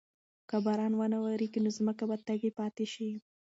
که باران ونه وریږي نو ځمکه به تږې پاتې شي.